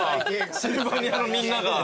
シルバニアのみんなが。